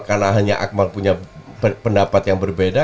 karena hanya akmal punya pendapat yang berbeda